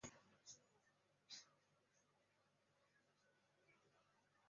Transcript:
能说善道的杰克为了达到目的往往不惜任何代价。